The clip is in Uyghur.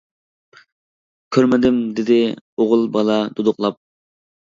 كۆرمىدىم، - دېدى ئوغۇل بالا دۇدۇقلاپ.